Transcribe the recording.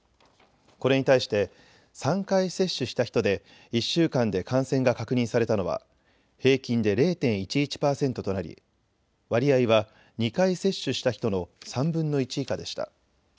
これに対して３回接種した人で１週間で感染が確認されたのは平均で０．１１％となり割合は２回接種した人の３分の１以下でした。